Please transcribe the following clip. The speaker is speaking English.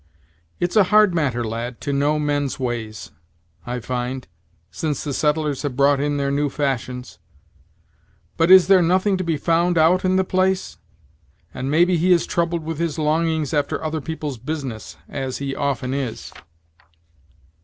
"It's a hard matter, lad, to know men's ways, I find, since the settlers have brought in their new fashions, But is there nothing to be found out in the place? and maybe he is troubled with his longings after other people's business, as he often is."